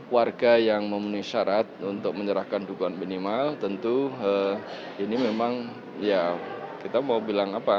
warga yang memenuhi syarat untuk menyerahkan dukungan minimal tentu ini memang ya kita mau bilang apa